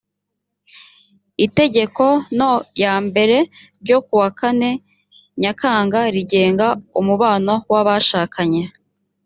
itegeko n o ya mbere ryo kuwa kane nyakanga rigenga umubano w’abashakanye